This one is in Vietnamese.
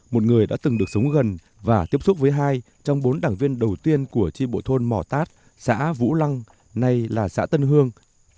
một người đã từng được sống gần và tiếp xúc với hai trong bốn đảng viên đầu tiên của tri bộ thôn mò tát xã vũ lăng nay là xã tân hương